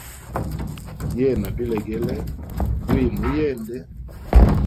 Yena bilegele lwimu uyende.